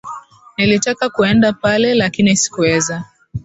Nilitaka kuenda pale, lakini sikuweza.